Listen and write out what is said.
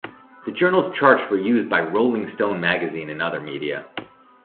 The journal's charts were used by "Rolling Stone" magazine and other media.